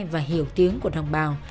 và hiểu tiếng của đồng bào